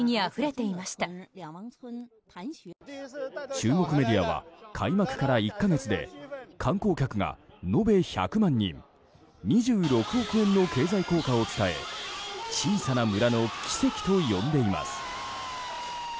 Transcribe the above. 中国メディアは開幕から１か月で観光客が延べ１００万人２６億円の経済効果を伝え小さな村の奇跡と呼んでいます。